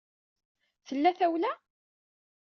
Tella tawla?